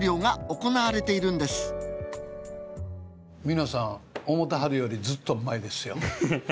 皆さん思てはるよりずっとうまいですよ。